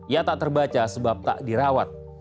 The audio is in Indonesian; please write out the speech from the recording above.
ia tak terbaca sebab tak dirawat